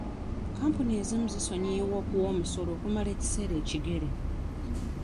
Kkampuni ezimu zisonyiyibwa okuwa omusolo okumala ekiseera ekigere.